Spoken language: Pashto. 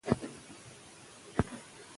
په ټولګي کې باید چوپتیا مراعت سي.